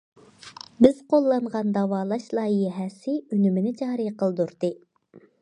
بىز قوللانغان‹‹ داۋالاش لايىھەسى›› ئۈنۈمىنى جارى قىلدۇردى.